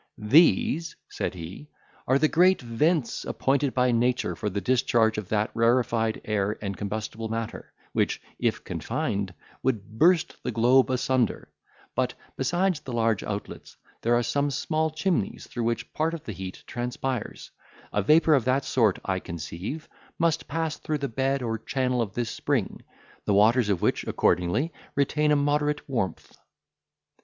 "These," said he, "are the great vents appointed by nature for the discharge of that rarefied air and combustible matter, which, if confined, would burst the globe asunder; but, besides the larger outlets, there are some small chimneys through which part of the heat transpires; a vapour of that sort, I conceive, must pass through the bed or channel of this spring, the waters of which, accordingly retain a moderate warmth."